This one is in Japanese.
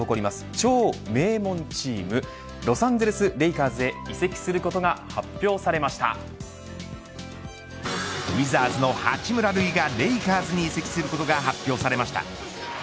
超名門チームロサンゼルスレイカーズへウィザーズの八村塁がレイカーズに移籍することが発表されました。